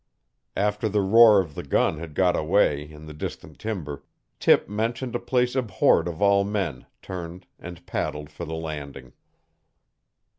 After the roar of the gun had got away, in the distant timber, Tip mentioned a place abhorred of all men, turned and paddled for the landing.